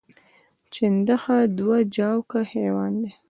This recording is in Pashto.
چنډخه دوه ژواکه حیوان دی